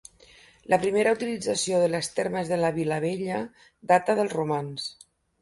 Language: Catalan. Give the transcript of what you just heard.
La primera utilització de les termes de La Vilavella data dels romans.